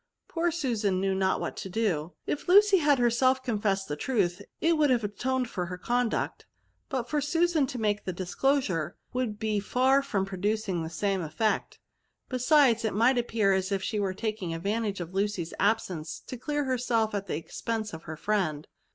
. Poor Susan knew not what to do. If Lucy had herself confessed the truths it would have atoned for her conduct ; but for Susan to make the disclosure^ would be far from pro ducing the same effect ; besides it might ap pear as if she were taking advantage of Lucy's absence, to clear herself at the expense of her friend.